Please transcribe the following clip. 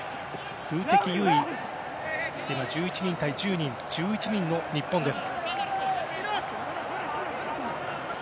数的優位、１１対１０人で１１人の日本です。